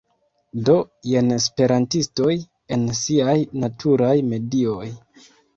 Do, jen esperantistoj... en siaj naturaj medioj